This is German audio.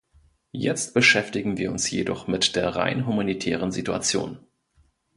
Jetzt beschäftigen wir uns jedoch mit der rein humanitären Situation.